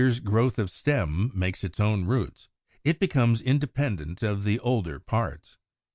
As each year's growth of stem makes its own roots, it soon becomes independent of the older parts.